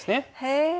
へえ。